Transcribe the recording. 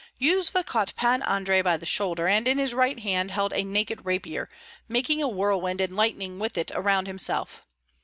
Yuzva caught Pan Andrei by the shoulder, and in his right hand held a naked rapier, making a whirlwind and lightning with it around himself.